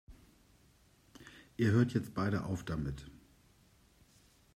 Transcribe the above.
Ihr hört jetzt beide auf damit!